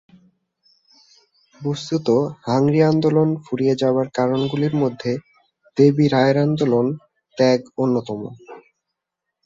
বস্তুত হাংরি আন্দোলন ফুরিয়ে যাবার কারণগুলির মধ্যে দেবী রায়ের আন্দোলন ত্যাগ অন্যতম।